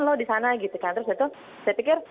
loh di sana gitu kan terus itu saya pikir